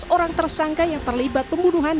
orang tersangka yang terlibat pembunuhan